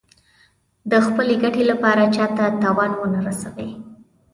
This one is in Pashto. د خپلې ګټې لپاره چا ته تاوان ونه رسوي.